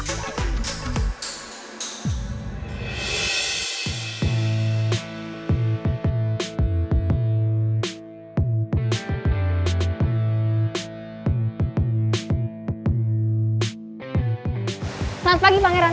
selamat pagi pangeran